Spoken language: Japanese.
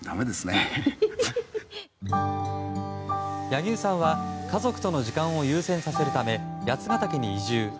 柳生さんは家族との時間を優先させるため八ケ岳に移住。